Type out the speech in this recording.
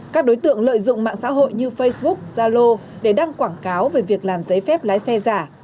các đối tượng lợi dụng mạng xã hội như facebook zalo để đăng quảng cáo về việc làm giấy phép lái xe giả